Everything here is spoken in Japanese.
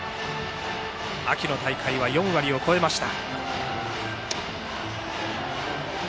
秋の大会は４割を超えました。